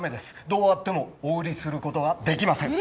どうあってもお売りすることはできません。